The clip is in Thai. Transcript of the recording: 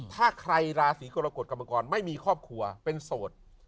ถ้าใครราศีกรกฎกรรมกรไม่มีครอบครัวเป็นโสด